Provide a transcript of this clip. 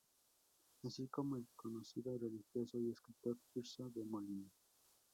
Así como el conocido religioso y escritor Tirso de Molina.